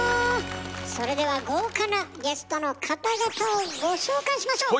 それでは豪華なゲストの方々をご紹介しましょう！